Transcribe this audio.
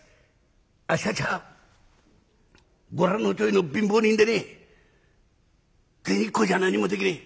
あっしたちはご覧のとおりの貧乏人でね銭っこじゃ何にもできねえ。